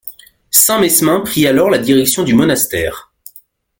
Saint Mesmin prit alors la direction du monastère.